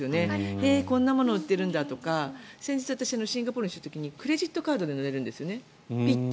へえこんなもの売ってるんだとか先日、私はシンガポールに出張した時にクレジットカードでできるんですよね。